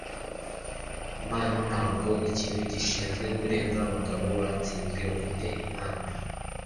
impano ntabwo; ntakintu gisanzwe kurenza abagabo batatsinzwe bafite impano